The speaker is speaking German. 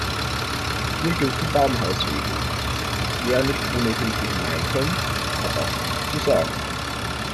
Hier gilt die Baumhausregel: Wer nicht ohne Hilfe hineinkommt, hat auch nichts zu sagen.